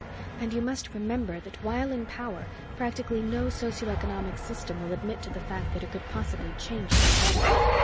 And you must remember that while in power practically no socio economic system will admit to the fact that it could possibly change for the better.